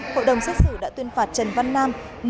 hội đồng xét xử đã tuyên phạt trần văn nam